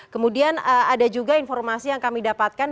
kemudian ada juga informasi yang kami dapatkan